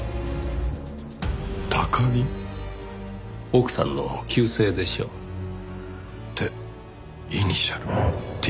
奥さんの旧姓でしょう。ってイニシャル「Ｔ」。